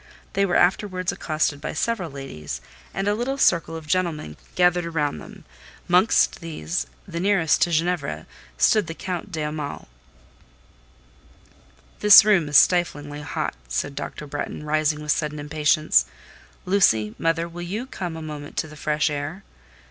They were afterwards accosted by several ladies, and a little circle of gentlemen gathered round them; amongst these—the nearest to Ginevra—stood the Count de Hamal. "This room is stiflingly hot," said Dr. Bretton, rising with sudden impatience. "Lucy—mother—will you come a moment to the fresh air?"